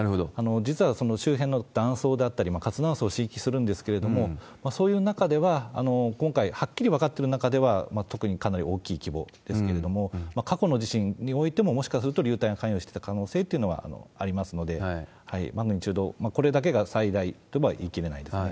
実はその周辺の断層だったり、活断層を刺激するんですけれども、そういう中では、今回、はっきり分かってる中では、特にかなり大きい規模ですけれども、過去の地震においても、もしかすると流体が関与してた可能性ってのはありますので、マグニチュード、これだけが最大とは言い切れないですね。